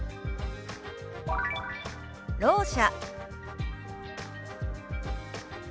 「ろう者」。